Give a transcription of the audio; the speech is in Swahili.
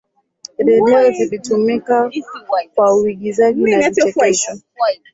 redio zilitumika kwa uigizaji na vichekesho